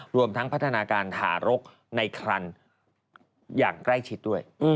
รวมทั้งพัฒนาการถารกในครันอย่างใกล้ชิดด้วย